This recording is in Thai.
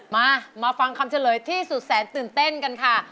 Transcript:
มามาฟังคำเฉลยที่สุดแสนตื่นเต้นกันค่ะ